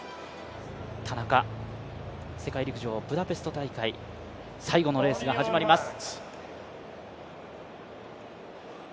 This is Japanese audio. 田中、世界陸上ブダペスト大会、最後のレースが始まります。